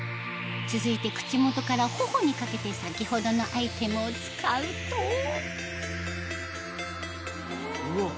続いて口元から頬にかけて先ほどのアイテムを使うとうわっ！